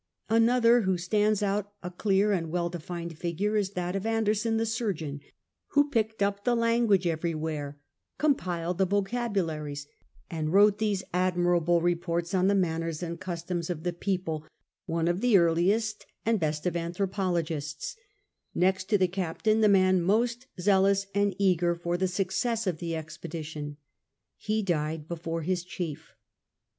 Another, who stands out a clear and well defined figure, is that of Anderson, the surgeon, who picked up the language every where, compiled the vocabularies, and wrote these admir able reports on tlie manners and customs of the people, one of the cai'liest and best of anthropologists, next to the ciiptaiu the man most zealous and eager for the success of tlie expedition, lie died before his chief.